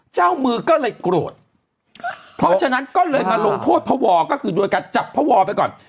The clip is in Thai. เจ้ามือก็เลยโกรธเพราะฉะนั้นก็เลยมาลงโทษพระวอก็คือโดยการจับพระวอไปก่อน